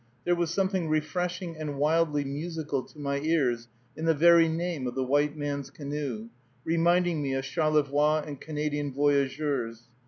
There was something refreshing and wildly musical to my ears in the very name of the white man's canoe, reminding me of Charlevoix and Canadian Voyageurs.